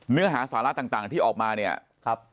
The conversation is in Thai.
เนื้อหาสาระต่างที่ออกมา